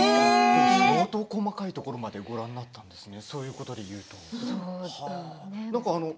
相当、細かいところまでご覧になっているんですね。